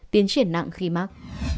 tiến triển nặng khi mắc